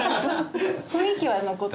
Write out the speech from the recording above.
雰囲気は残って。